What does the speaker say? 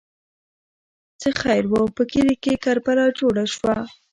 ـ څه خیر وو، په کلي کې کربلا جوړه شوه.